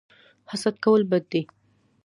حسد کول بد دي